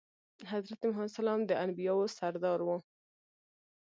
حضرت محمد د انبياوو سردار وو.